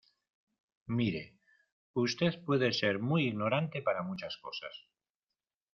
mire, usted puede ser muy ignorante para muchas cosas